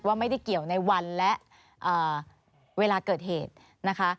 ไม่ได้เกี่ยวในวันและเวลาเกิดเหตุนะคะ